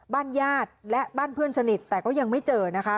บ้านญาติและบ้านเพื่อนสนิทแต่ก็ยังไม่เจอนะคะ